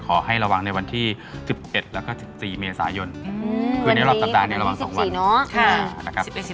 ขอให้ระวังในวันที่๑๑แล้วก็๑๔เมษายนคือในรอบสัปดาห์ระวัง๒วันเนาะ